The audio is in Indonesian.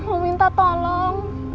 mau minta tolong